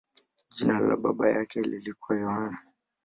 Jina la baba yake lilikuwa Yohane.